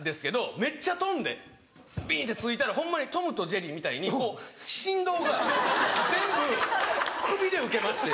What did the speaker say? めっちゃ跳んでビンって着いたらホンマに『トムとジェリー』みたいに振動が全部首で受けまして。